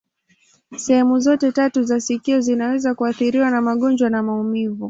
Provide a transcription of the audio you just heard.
Sehemu zote tatu za sikio zinaweza kuathiriwa na magonjwa na maumivu.